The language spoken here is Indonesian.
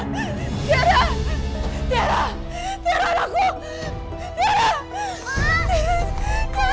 tiara tiara tiara tiara aku tiara